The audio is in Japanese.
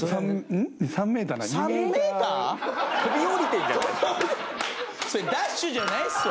３。それダッシュじゃないっすわ。